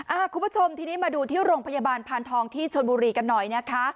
คุณผู้ชมทีนี้มาดูที่โรงพยาบาลพานทองที่ชนบุรีกันหน่อยนะคะ